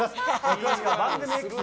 詳しくは番組Ｘ